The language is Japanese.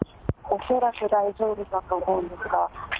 恐らく大丈夫かと思うんですが。